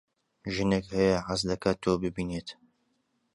ژنێک هەیە حەز دەکات تۆ ببینێت.